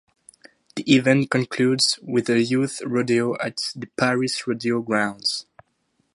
The event concludes with a youth rodeo at the Paris rodeo grounds.